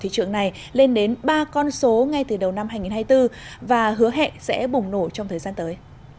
thị trường này lên đến ba con số ngay từ đầu năm hai nghìn hai mươi bốn và hứa hẹn sẽ bùng nổ trong thời gian tới